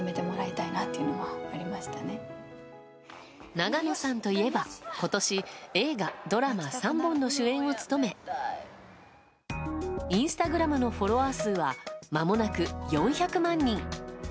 永野さんといえば今年映画、ドラマ３本の主演を務めインスタグラムのフォロワー数はまもなく４００万人。